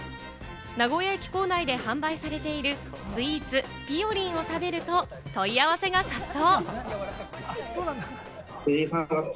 名古屋駅構内で販売されているスイーツ・ぴよりんを食べると問い合わせが殺到。